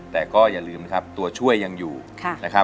อเรนนี่มันดีค่ะเพราะว่าทางเรามึ่นตึ๊บเลยค่ะจินตลา